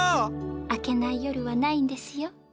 明けない夜はないんですよ。